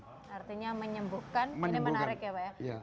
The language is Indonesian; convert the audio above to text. artinya menyembuhkan ini menarik ya pak ya